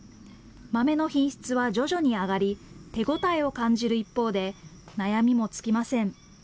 豆の品質は徐々に上がり、手応えを感じる一方で、悩みも尽きません。